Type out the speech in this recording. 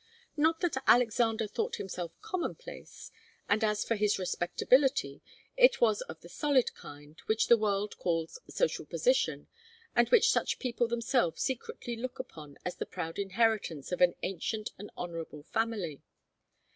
Not that Alexander thought himself commonplace, and as for his respectability, it was of the solid kind which the world calls social position, and which such people themselves secretly look upon as the proud inheritance of an ancient and honourable family.